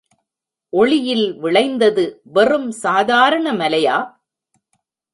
ஒளியில் விளைந்தது வெறும் சாதாரண மலையா?